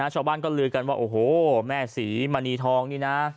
ชาวบ้านก็ลือกันว่าโอ้โหแม่ศรีมณีทองนี่นะ